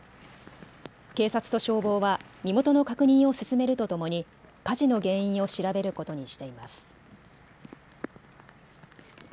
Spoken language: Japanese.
警察と消防は身元の確認を進めるとともに火事の原因を調べることにしています。